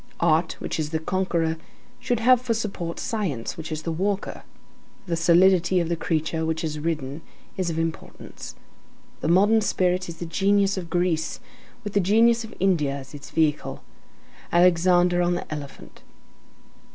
Art, which is the conqueror, should have for support science, which is the walker; the solidity of the creature which is ridden is of importance. The modern spirit is the genius of Greece with the genius of India as its vehicle; Alexander on the elephant.